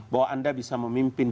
bahwa anda bisa memimpin